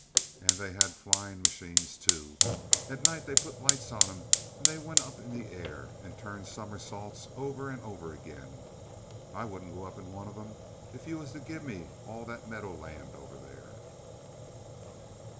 And they had flying machines, too. At night they put lights on 'em, and they went up in the air and turned somersaults over and over again. I wouldn't go up in one of 'em if you was to give me all that meadow land over there.